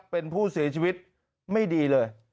เป็นผู้เสียชีวิตไม่ดีเลย